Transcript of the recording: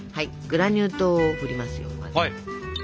グラニュー糖をふりますよ。